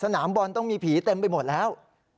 สนามบอลต้องมีผีเต็มไปหมดแล้ว